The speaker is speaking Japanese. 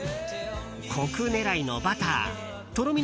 コク狙いのバターとろみ